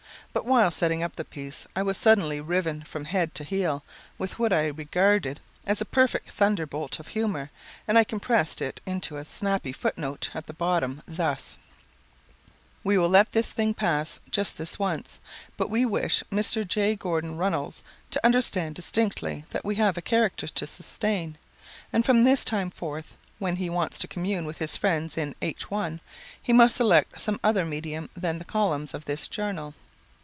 But while setting up the piece I was suddenly riven from head to heel with what I regarded as a prefect thunderbolt of humor, and I compressed it into a snappy footnote at the bottom thus: "'We will let this thing pass, just this once, but we wish Mr. J. Gordon Runnels to understand distinctly that we have a character to sustain, and from this time forth when he wants to commune with his friends in h 1, he must select some other medium than the columns of this journal.'